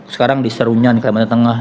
sekarang di serunya di kalimantan tengah